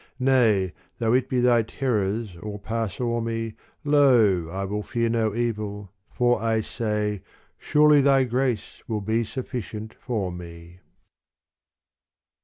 Nay though it be Thy terrors all pass o'er me Lo, I will fear no evil, for I say, Surely Thy grace will be sufficient for me.